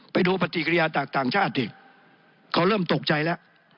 ไปดูปฏิกิริยาจากต่างชาติดิเขาเริ่มตกใจแล้ว